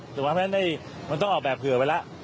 ถูกไหมเพราะฉะนั้นมันต้องออกแบบเผื่อไปแล้ว